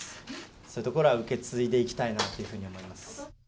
そういうところは受け継いでいきたいなというふうに思います。